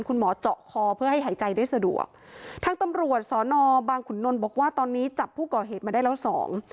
คุณหมอเจาะคอเพื่อให้หายใจได้สะดวกทางตำรวจสอนอบางขุนนลบอกว่าตอนนี้จับผู้ก่อเหตุมาได้แล้วสอง